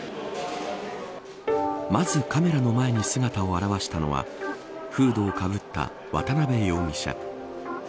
まずカメラの前に姿を現したのはフードをかぶった渡辺容疑者。